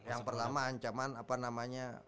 yang pertama ancaman apa namanya